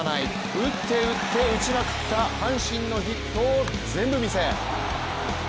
打って打って打ちまくった阪神のヒットを「ぜんぶ見せ」。